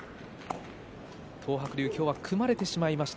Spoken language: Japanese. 東白龍に今日は組まれてしまいました。